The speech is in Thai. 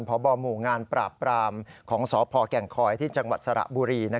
พบหมู่งานปราบปรามของสพแก่งคอยที่จังหวัดสระบุรี